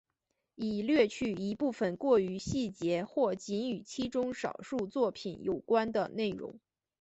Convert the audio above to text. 已略去一部分过于细节或仅与其中少数作品有关的内容。